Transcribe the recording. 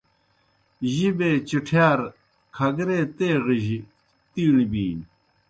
جِبے چِٹِھیار کھگرے تیغجیْ تِیݨیْ بِینیْ